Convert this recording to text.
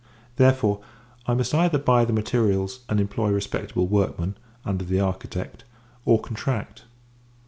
Therefore, I must either buy the materials, and employ respectable workmen, under the architect; or, contract.